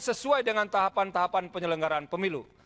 sesuai dengan tahapan tahapan penyelenggaraan pemilu